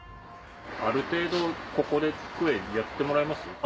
ある程度ここでクエやってもらいます？